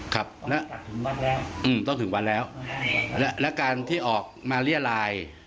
ครับต้องจัดถึงวันแล้วอืมต้องถึงวันแล้วแล้วแล้วการที่ออกมาเลี่ยราย